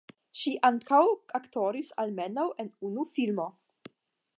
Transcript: Ŝi ankaŭ aktoris almenaŭ en unu filmo.